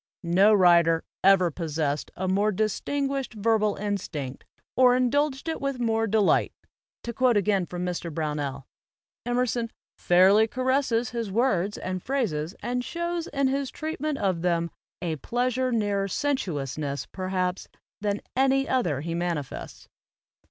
"No writer ever possessed a more distinguished verbal instinct, or indulged it with more de light," to quote again from Mr. Brownell; Emerson " fairly caresses his words and phrases and shows in his treatment of them a pleasure nearer sensuousness, perhaps, than any other he manifests."